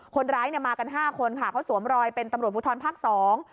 คนร้ายเนี่ยมากันห้าคนค่ะเขาสวมรอยเป็นตำรวจภูทรภาคสอง